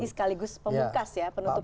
ini sekaligus pemukas ya penutup kita